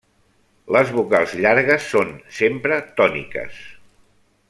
Les vocals llargues són sempre tòniques.